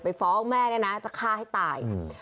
ไปฟ้าของแม่เนี้ยนะจะฆ่าให้ตายหือ